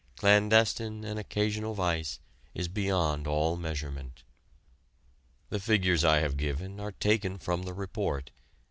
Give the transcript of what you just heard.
Clandestine and occasional vice is beyond all measurement. The figures I have given are taken from the report.